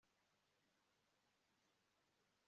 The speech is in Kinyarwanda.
wowe wajyanywe mu gicu cy'umuriro